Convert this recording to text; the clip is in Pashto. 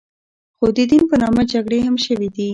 خو د دین په نامه جګړې هم شوې دي.